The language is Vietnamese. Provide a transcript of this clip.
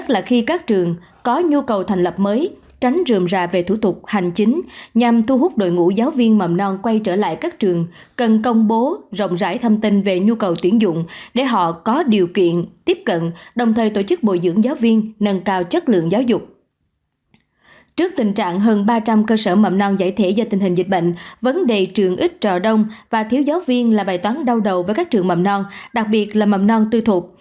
trước tình trạng hơn ba trăm linh cơ sở mầm non giải thể do tình hình dịch bệnh vấn đề trường ít trò đông và thiếu giáo viên là bài toán đau đầu với các trường mầm non đặc biệt là mầm non tư thuộc